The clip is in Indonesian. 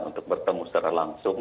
untuk bertemu secara langsung